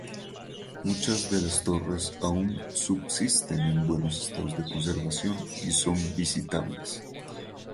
Muchas de las torres aún subsisten en buenos estados de conservación y son visitables.